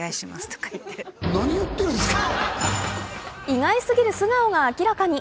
意外すぎる素顔が明らかに。